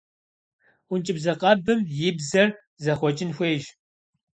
Ӏункӏыбзэ къэбым и бзэр зэхъуэкӏын хуейщ.